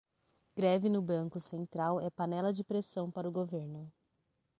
Greve no Banco Central é panela de pressão para o governo